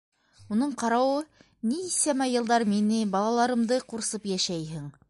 - Уның ҡарауы нисәмә йылдар мине, балаларымды ҡурсып йәшәйһең.